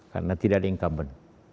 karena tidak ada yang kamben